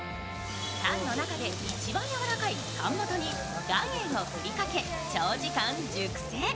たんの中で一番やわらかいたん元に岩塩を振りかけ長時間熟成。